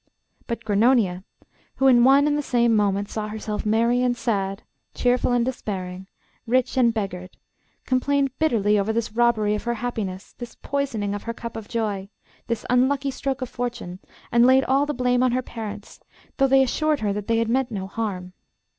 But Grannonia, who in one and the same moment saw herself merry and sad, cheerful and despairing, rich and beggared, complained bitterly over this robbery of her happiness, this poisoning of her cup of joy, this unlucky stroke of fortune, and laid all the blame on her parents, though they assured her that they had meant no harm.